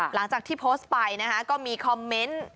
หลังจากที่โพสต์ไปนะคะก็มีคอมเมนต์